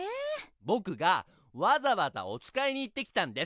ボクがわざわざおつかいに行ってきたんです。